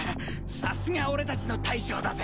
さすが俺たちの大将だぜ。